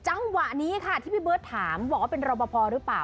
จังหวะนี้ค่ะที่พี่เบิร์ตถามบอกว่าเป็นรอปภหรือเปล่า